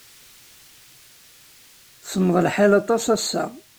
Semmeḍ lḥal aṭas ass-a.